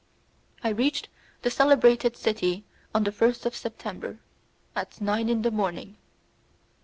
I reached the celebrated city on the 1st of September, at nine in the morning.